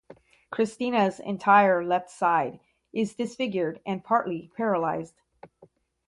Christina's entire left side is disfigured and partly paralysed.